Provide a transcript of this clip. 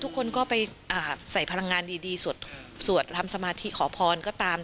ทุกคนก็ไปใส่พลังงานดีสวดทำสมาธิขอพรก็ตาม